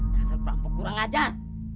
dasar perampok kurang ajar